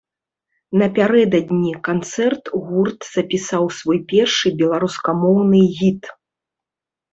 Напярэдадні канцэрт гурт запісаў свой першы беларускамоўны гіт.